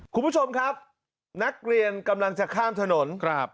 คุณผู้ชมครับนักเรียนกำลังจะข้ามถนนครับ